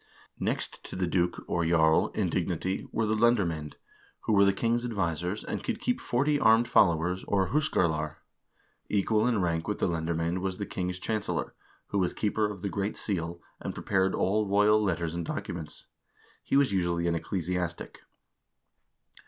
Next to the duke, or jarl, in dignity were the lendermcend, who were the king's advisers, and could keep forty armed followers, or hUskarlar. Equal in rank with the lendermcend was the king's chancellor, who was keeper of the great seal, and prepared all royal letters and documents. He was usually an ecclesiastic.